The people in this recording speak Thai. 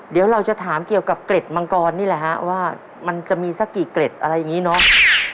เดี๋ยวเราจะถามเกี่ยวกับเกร็ดมังกรนี่แหละฮะว่ามันจะมีสักกี่เกร็ดอะไรอย่างนี้เนาะ